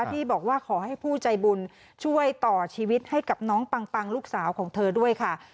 ที่บอกว่าขอให้ผู้ใจบุญช่วยต่อชีวิตให้กับน้องปังลูกสาวของเธอด้วยค่ะ